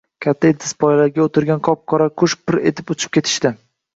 Katta ildizpoyalarda o`tirgan qop-qora qushlar pir etib uchib ketishdi